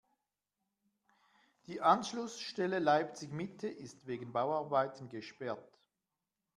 Die Anschlussstelle Leipzig-Mitte ist wegen Bauarbeiten gesperrt.